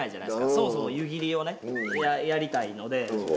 そもそも湯切りをねやりたいので。